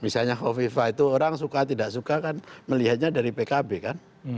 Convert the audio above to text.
misalnya hovifah itu orang suka tidak suka kan melihatnya dari pkb kan